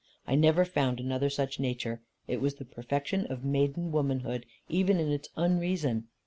I never found another such nature: it was the perfection of maiden womanhood, even in its unreason.